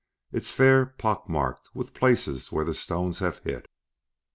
It's fair pockmarked with places where the stones have hit."